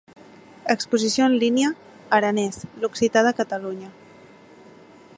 Exposició en línia "Aranès, l'occità de Catalunya"